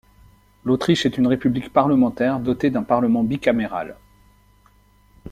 L'Autriche est une république parlementaire dotée d'un Parlement bicaméral.